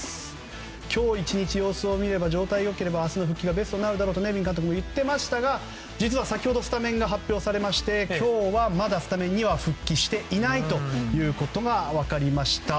今日１日、様子を見れば状態が良ければ、明日の復帰がベストになるだろうとネビン監督も言っていましたが実は先ほどスタメンが発表されまして今日は、まだスタメンには復帰していないということが分かりました。